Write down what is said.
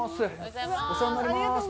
お世話になります。